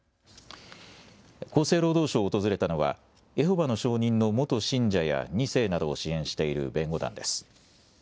厚生労働省を訪れたのはエホバの証人の元信者や２世などを支援している弁護団です。